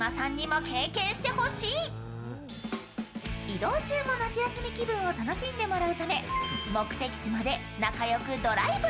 移動中も夏休み気分を楽しんでもらうため、目的地まで仲よくドライブ。